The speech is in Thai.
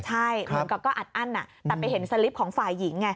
ใช่มันก็อัดอั้นแต่ไปเห็นสลิปของฝ่ายหญิง